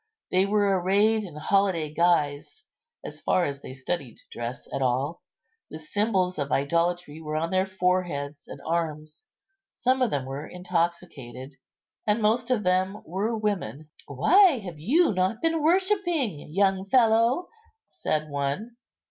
They were arrayed in holiday guise, as far as they studied dress at all; the symbols of idolatry were on their foreheads and arms; some of them were intoxicated, and most of them were women. "Why have you not been worshipping, young fellow?" said one.